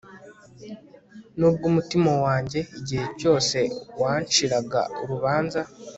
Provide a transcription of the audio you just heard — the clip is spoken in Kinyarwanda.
nubwo umutima wanjye igihe cyose wanshiraga urubanza